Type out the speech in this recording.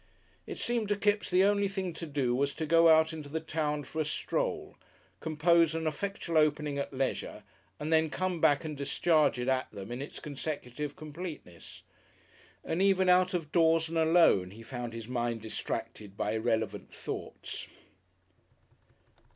It seemed to Kipps the only thing to do was to go out into the town for a stroll, compose an effectual opening at leisure, and then come back and discharge it at them in its consecutive completeness. And even out of doors and alone, he found his mind distracted by irrelevant thoughts.